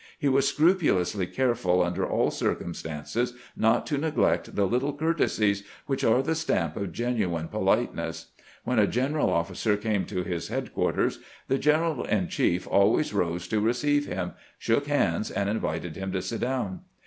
He was scrupu lously careful under all circumstances not to neglect the little courtesies which are the stamp of genuine polite ness. When a general officer came to his headquarters, 332 CAMPAIGNING "WITH GBANT the general in cliief always rose to receive Mm, shook hands, and invited him to sit down.